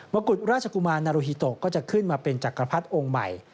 กุฎราชกุมารนาโรฮิโตก็จะขึ้นมาเป็นจักรพรรดิองค์ใหม่